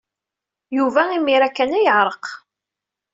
Yuba imir-a kan ay yeɛreq.